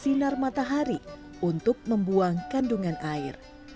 dan dikembangkan ke benar matahari untuk membuang kandungan air